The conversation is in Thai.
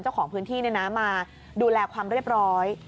เจ้าของพื้นที่มาดูแลความเรียบร้อย